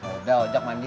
udah ojak mandiin